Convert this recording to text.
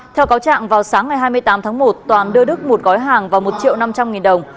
theo cáo trạng vào sáng ngày hai mươi tám tháng một toàn đưa đức một gói hàng vào một triệu năm trăm linh nghìn đồng